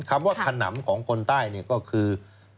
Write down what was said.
คำว่าขนำของคนใต้เนี่ยก็คือ